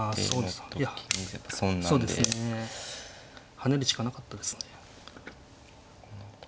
跳ねるしかなかったですね。